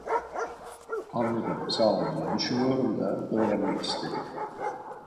Anladım sağolun düşünüyorum da öğrenmek istedim